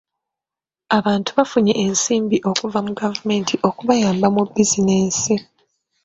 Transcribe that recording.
Abantu bafunye ensimbi okuva mu gavumenti okubayamba mu bizinensi.